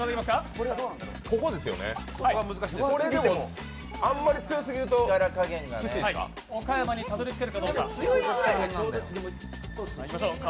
ここですよね、これでもあんまり強すぎると岡山にたどり着けるかどうか。